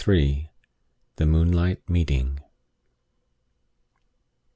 THE MOONLIGHT MEETING.